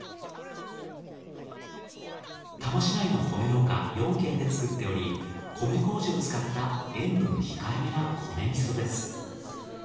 多摩市内の米農家４軒で作っており米麹を使った塩分控えめな米味噌です。